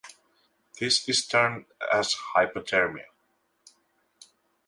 This is termed as hypoproteinemia.